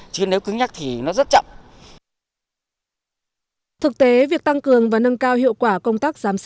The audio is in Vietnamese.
chứ nếu cứ nhắc thì nó rất chậm